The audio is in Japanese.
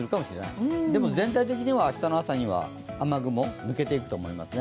でも全体的には明日の朝には雨雲抜けていくと思いますね。